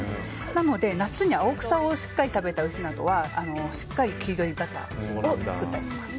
なので、夏に青草をしっかり食べた牛などはしっかり黄色いバターを作ったりします。